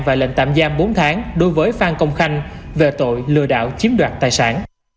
và lệnh tạm giam bốn tháng đối với phan công khanh về tội lừa đảo chiếm đoạt tài sản